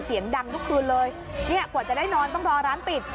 เสียงดังทุกคืนเลยเนี่ยกว่าจะได้นอนต้องรอร้านปิด